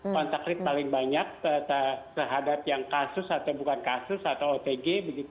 kontak rate paling banyak terhadap yang kasus atau bukan kasus atau otg